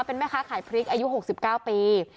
เป็นแม่ค้าขายอายุหกสิบเก้าปี